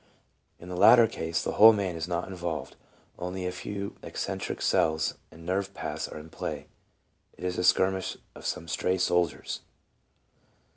In the latter case the whole man is not involved, only a few eccen trie cells and nerve paths are in play. It is a skirmish of some stray soldiers.